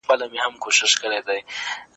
که خوځښت پیل سي ټول به ګټه وکړي.